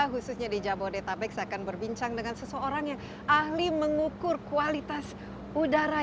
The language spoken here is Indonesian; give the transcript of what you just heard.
khususnya di jabodetabek saya akan berbincang dengan seseorang yang ahli mengukur kualitas udara